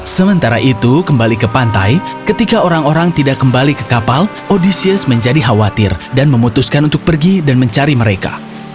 sementara itu kembali ke pantai ketika orang orang tidak kembali ke kapal odysius menjadi khawatir dan memutuskan untuk pergi dan mencari mereka